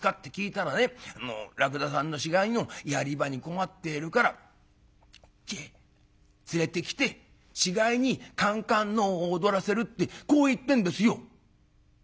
あの『らくださんの死骸のやり場に困っているからこっちへ連れてきて死骸にかんかんのうを踊らせる』ってこう言ってんですよ」。